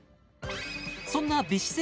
そんな美姿勢